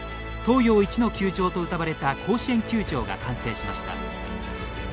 東洋一の球場と、うたわれた甲子園球場が完成しました。